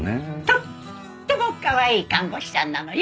とってもかわいい看護師さんなのよ。